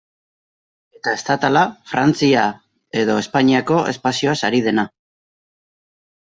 Eta estatala, Frantzia edo Espainiako espazioaz ari dena.